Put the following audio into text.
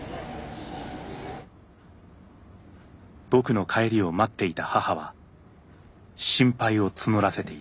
僕の帰りを待っていた母は心配を募らせていた。